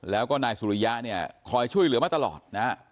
แล้วก็นายสุริยะเนี่ยคอยช่วยเหลือมาตลอดนะฮะ